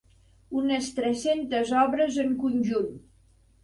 Unes tres-centes obres en conjunt.